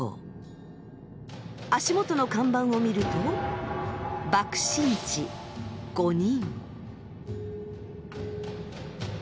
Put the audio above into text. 足元の看板を見ると「爆心地５人」。